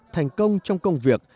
thành công trong công việc